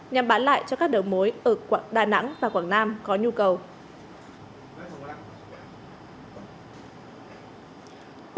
nhằm bán lại cho các đầu mối ở đà nẵng và quảng nam có nhu cầu